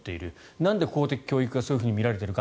なんで公的教育がそういうふうに見られているか。